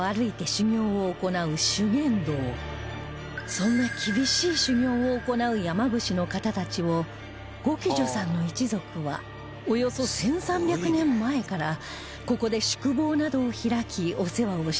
そんな厳しい修行を行う山伏の方たちを五鬼助さんの一族はおよそ１３００年前からここで宿坊などを開きお世話をしてきたといいます